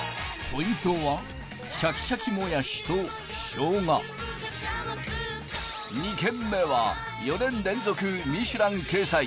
ポイントはシャキシャキもやしと生姜２軒目は４年連続「ミシュラン」掲載